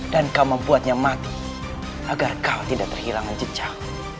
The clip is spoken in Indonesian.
dan kau membuatnya mati agar kau tidak terhilang jejak